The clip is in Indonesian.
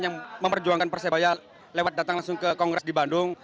yang memperjuangkan persebaya lewat datang langsung ke kongres di bandung